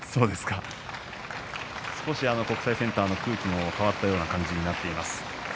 少し国際センターの空気も変わったような感じになっています。